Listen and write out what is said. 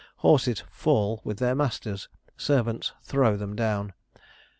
Horses fall with their masters, servants throw them down.